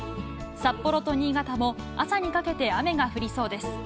札幌と新潟も、朝にかけて雨が降りそうです。